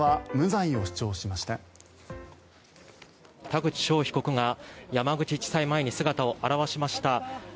田口翔被告が山口地裁前に姿を現しました。